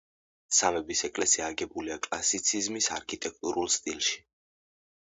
სამების ეკლესია აგებულია კლასიციზმის არქიტექტურულ სტილში.